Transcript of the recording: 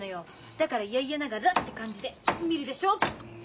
だからいやいやながらって感じで診るでしょ？